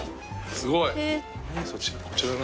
すごい。